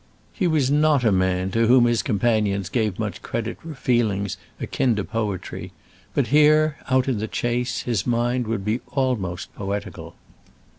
He was not a man to whom his companions gave much credit for feelings or thoughts akin to poetry, but here, out in the Chace, his mind would be almost poetical.